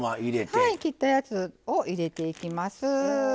はい切ったやつを入れていきます。